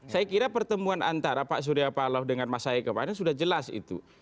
saya kira pertemuan antara pak surya paloh dengan mas hai kemarin sudah jelas itu